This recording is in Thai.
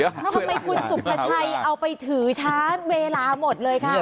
ทำไมคุณสุขชัยเอาไปถือช้าเวลาหมดเลยค่ะ